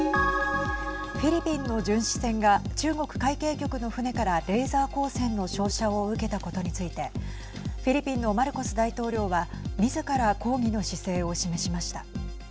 フィリピンの巡視船が中国海警局の船からレーザー光線の照射を受けたことについてフィリピンのマルコス大統領はみずから抗議の姿勢を示しました。